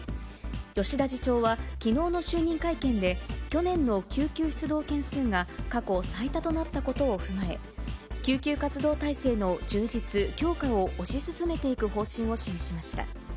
吉田次長はきのうの就任会見で、去年の救急出動件数が過去最多となったことを踏まえ、救急活動体制の充実、強化を推し進めていく方針を示しました。